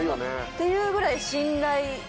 っていうぐらい。